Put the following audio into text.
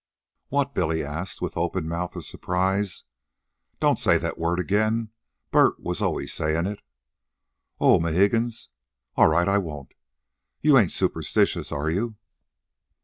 "What?" Billy asked with open mouth of surprise. "Don't say that word again. Bert was always saying it." "Oh, Mohegans. All right, I won't. You ain't superstitious, are you?"